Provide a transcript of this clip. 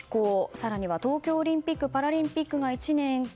更には東京オリンピック・パラリンピックが１年延期。